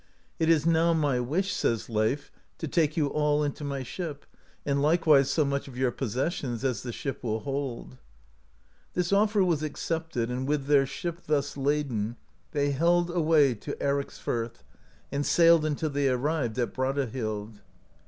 "It is now my wish," says Leif, "to take you all into my ship, and like wise so much of your possessions as the ship will hold/' This offer was accepted, and [with their ship] thus laden, they held away to Ericsfirth, and sailed until they arrived at Brattahlid.